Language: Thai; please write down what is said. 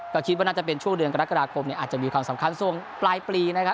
ก็คิดว่าน่าจะเป็นช่วงเดือนกรกฎาคมเนี่ยอาจจะมีความสำคัญช่วงปลายปีนะครับ